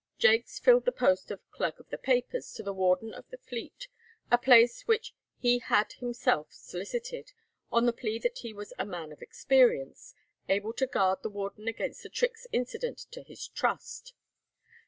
Jaques filled the post of "clerk of the papers" to the warden of the Fleet, a place which he had himself solicited, on the plea that he was a man of experience, able to guard the warden against the tricks incident to his trust.